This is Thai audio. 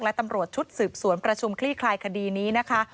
และตำรวจชุดสืบสวนประชุมคลี่คลายคดีนี้นะคะ